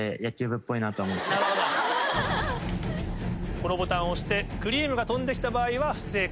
このボタンを押してクリームが飛んで来た場合は不正解。